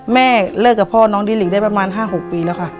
แม่เลิกกับพ่อน้องดิหลีได้ประมาณ๕๖ปีแล้วค่ะ